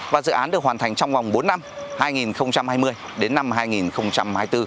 và dự án được hoàn thành trong vòng bốn năm hai nghìn hai mươi đến năm hai nghìn hai mươi bốn